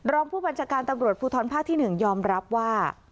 รองผู้บัญชาการตำรวจภูทรภาคที่๑ยอมรับว่า